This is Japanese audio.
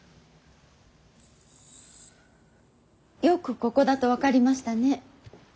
よくここだと分かりましたね。